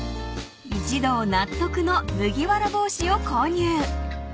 ［一同納得の麦わら帽子を購入］